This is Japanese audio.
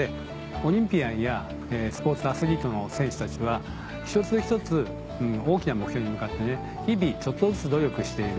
オリンピアンやスポーツアスリートの選手たちは一つ一つ大きな目標に向かって日々ちょっとずつ努力している。